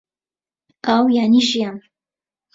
ئاو یانی ژیان